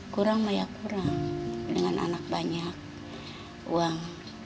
kurang maya kurang dengan anak banyak uang